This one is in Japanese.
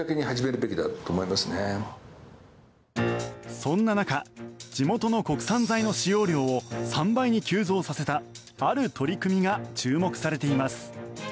そんな中地元の国産材の使用量を３倍に急増させたある取り組みが注目されています。